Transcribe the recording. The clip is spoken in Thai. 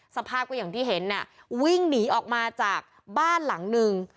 สภาพก็อย่างที่เห็นน่ะวิ่งหนีออกมาจากบ้านหลังนึง